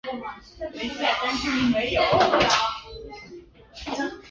他的一些单独的作品经常被重印也被翻译为外语。